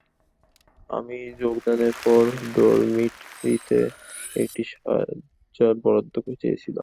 আমি যোগদানের পর ডরমিটরিতে একটি শয্যা বরাদ্দ চেয়েছিলাম।